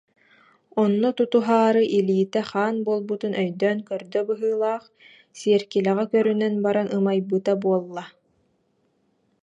Онно тутуһаары илиитэ хаан буолбутун өйдөөн көрдө быһыылаах, сиэркилэҕэ көрүнэн баран ымайбыта буолла: